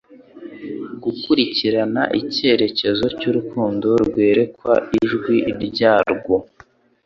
Gukurikirana icyerekezo cyurukundo rwerekwa, ijwi ryarwo